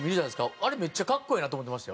あれめっちゃ格好ええなと思ってましたよ。